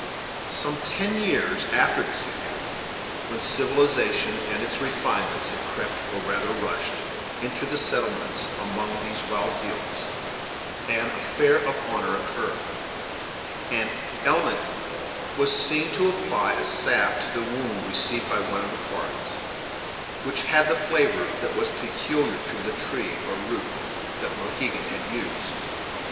Some ten years after this event, when civilization and its refinements had crept, or rather rushed, into the settlements among these wild hills, an affair of honor occurred, and Elnathan was seen to apply a salve to the wound received by one of the parties, which had the flavor that was peculiar to the tree, or root, that Mohegan had used.